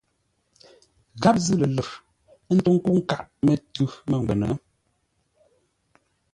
Gháp zʉ́ lə̂r, ə́ ntó ńkə́u nkâʼ mətʉ̌ mə́ngwə́nə.